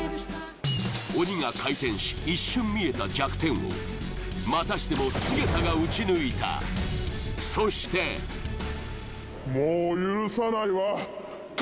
鬼が回転し一瞬見えた弱点をまたしても菅田が撃ち抜いたそしてきた！